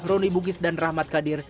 roni bugis dan rahmat kadir